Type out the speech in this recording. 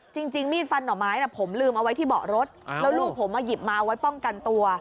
จริงมีดฟันหน่อไม้ผมลืมเอาไว้ที่เบาะรถแล้วลูกผมมาหยิบมาเอาไว้ป้องกันตัว